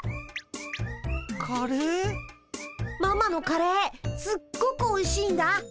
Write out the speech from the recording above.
ママのカレーすっごくおいしいんだ。